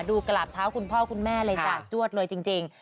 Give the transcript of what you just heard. ดูกระหลาบเท้าคุณพ่อคุณแม่จัดจวดเลยจริง